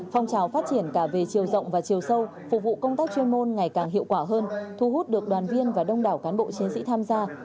phong trào phát triển cả về chiều rộng và chiều sâu phục vụ công tác chuyên môn ngày càng hiệu quả hơn thu hút được đoàn viên và đông đảo cán bộ chiến sĩ tham gia